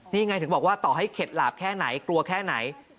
นี่ไงถึงบอกว่าต่อให้เข็ดหลาบแค่ไหนกลัวแค่ไหน